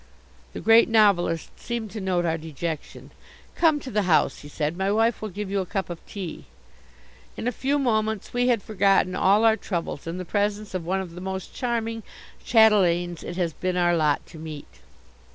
The Great Novelist seemed to note our dejection. "Come to the house," he said, "my wife will give you a cup of tea." In a few moments we had forgotten all our troubles in the presence of one of the most charming chatelaines it has been our lot to meet.